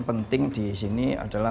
penting di sini adalah